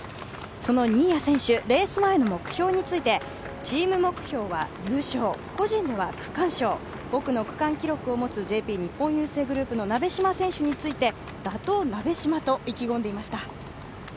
その新谷選手、レース前の目標について、チーム目標は優勝、個人では区間賞、５区の区間記録を持つＪＰ日本郵政グループの鍋島選手について、打倒鍋島と意気込んでいました。